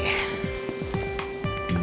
ibu ke sana ya